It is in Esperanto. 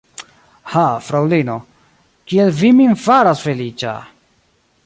Ha, fraŭlino, kiel vi min faras feliĉa!